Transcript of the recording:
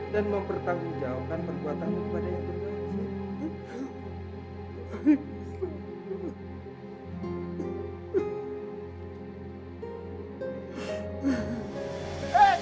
dan mempertanggungjawabkan perbuatanmu kepada yang terbaik